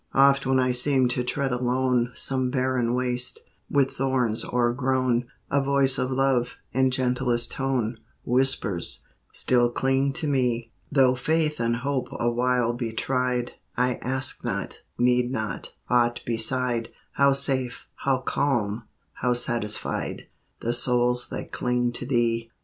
Oft when I seem to tread alone Some barren waste, with thorns o'ergrown, A voice of love, in gentlest tone, Whispers, " Still cling to Me." Though faith and hope awhile be tried, I ask not, need not, aught beside : How safe, how calm, how satisfied, The souls that cling to Thee